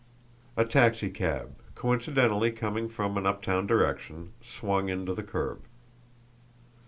A taxicab, coincidentally coming from an uptown direction, swung in to the curb.